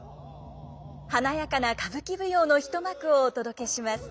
華やかな歌舞伎舞踊の一幕をお届けします。